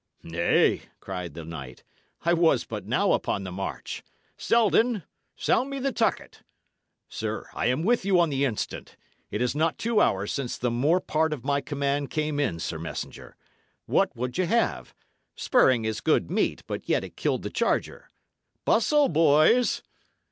"Nay," cried the knight, "I was but now upon the march. Selden, sound me the tucket. Sir, I am with you on the instant. It is not two hours since the more part of my command came in, sir messenger. What would ye have? Spurring is good meat, but yet it killed the charger. Bustle, boys!"